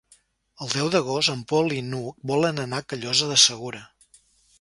El deu d'agost en Pol i n'Hug volen anar a Callosa de Segura.